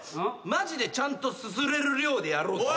マジでちゃんとすすれる量でやろうぜ。